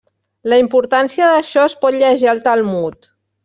La importància d'això es pot llegir al Talmud.